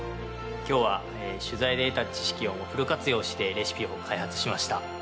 今日は取材で得た知識をフル活用してレシピを開発しました。